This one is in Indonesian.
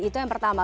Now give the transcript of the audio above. itu yang pertama